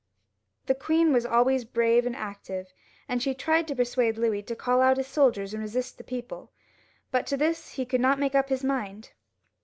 The queen was always brave and active, and she tried to persuade Louis to call out his soldiers and re sist the people, but to this he could not make up his mind.